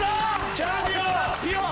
チャンピオン！